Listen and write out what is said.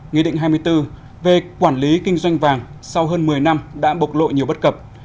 nghị định hai mươi bốn về quản lý kinh doanh vàng sau hơn một mươi năm đã bộc lộ nhiều bất cập